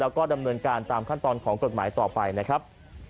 แล้วก็ดำเนินการตามขั้นตอนของกฎหมายต่อไปนะครับ